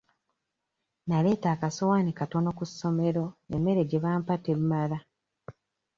Naleeta akasowaani katono ku ssomero emmere gye bampa temmala.